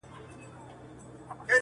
o څه چي وایم دروغ نه دي حقیقت دی,